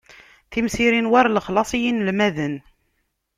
Timsirin war lexlaṣ i yinelmaden.